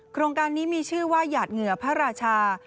โครงการนี้มีชื่อว่าหยาดเหงื่อพระราชา